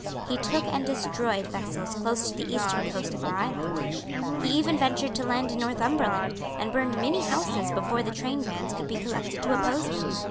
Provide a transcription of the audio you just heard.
He took and destroyed vessels close to the eastern coast of our island. He even ventured to land in Northumberland, and burned many houses before the trainbands could be collected to oppose him.